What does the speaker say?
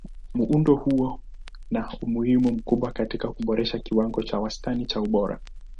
Muundo huu huwa na umuhimu mkubwa katika kuboresha kiwango cha wastani cha ubora.